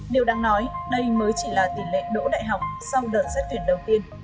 điều đáng nói đây mới chỉ là tỷ lệ đỗ đại học sau đợt xét tuyển đầu tiên